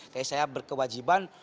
jadi saya berkewajiban